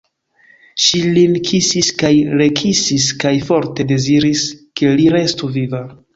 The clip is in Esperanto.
Ŝi lin kisis kaj rekisis kaj forte deziris, ke li restu viva.